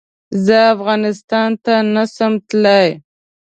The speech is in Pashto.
زه افغانستان ته نه سم تلی